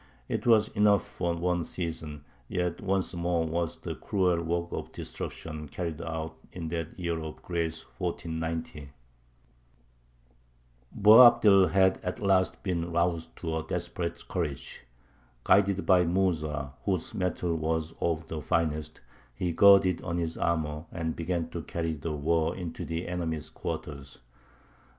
It was enough for one season; yet once more was the cruel work of destruction carried out in that year of grace 1490. [Illustration: SWORD OF BOABDIL (Villaseca Collection, Madrid).] Boabdil had at last been roused to a desperate courage. Guided by Mūsa, whose mettle was of the finest, he girded on his armour, and began to carry the war into the enemy's quarters.